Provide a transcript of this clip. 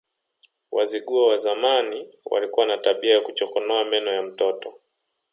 Wazigua wa zamani walikuwa na tabia ya kuchokonoa meno ya mtoto